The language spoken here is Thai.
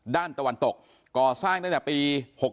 ตะวันตกก่อสร้างตั้งแต่ปี๖๖